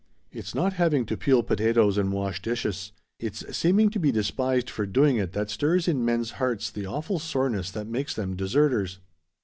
"It's not having to peel potatoes and wash dishes; it's seeming to be despised for doing it that stirs in men's hearts the awful soreness that makes them deserters.